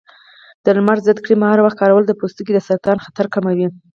د لمر ضد کریم هر وخت کارول د پوستکي د سرطان خطر کموي.